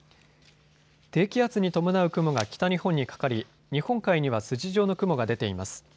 低気圧に伴う雲が北日本にかかり日本海には筋状の雲が出ています。